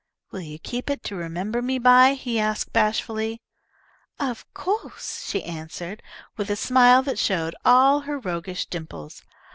"Will you keep it to remember me by?" he asked, bashfully. "Of co'se!" she answered, with a smile that showed all her roguish dimples.